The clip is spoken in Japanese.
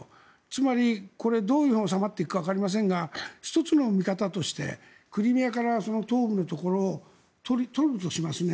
つまり、どう収まっていくかわかりませんが１つの見方としてクリミアから東部のところを取るとしますね。